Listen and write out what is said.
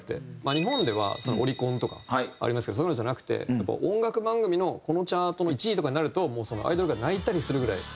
日本ではオリコンとかありますけどそういうのじゃなくて音楽番組のこのチャートの１位とかになるとアイドルが泣いたりするぐらい。